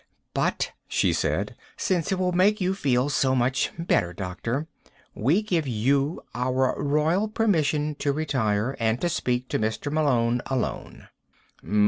"But," she said, "since it will make you feel so much better, doctor, we give you our Royal permission to retire, and to speak to Mr. Malone alone."